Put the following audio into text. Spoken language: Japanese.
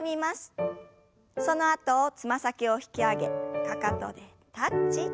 そのあとつま先を引き上げかかとでタッチ。